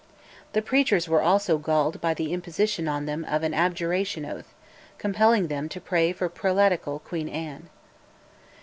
The preachers were also galled by the imposition on them of an abjuration oath, compelling them to pray for prelatical Queen Anne.